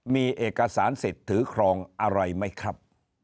มีเอกสารสิทธิ์ถือครองอะไรไหมครับ